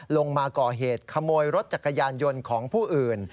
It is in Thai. ลงมาก่อเหตุขโมยรถจักรยานยนต์ของผู้อื่น